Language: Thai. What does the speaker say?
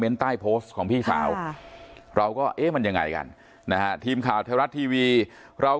เมนต์ใต้โพสต์ของพี่สาวเราก็มันยังไงกันทีมข่าวธรรมดาทีวีเรา